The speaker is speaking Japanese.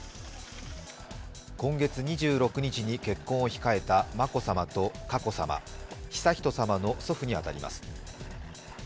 今月２６日に結婚を控えた眞子さまと佳子さま、悠仁さまの祖父に当たります。